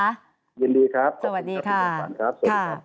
ยินดีครับสวัสดีค่ะ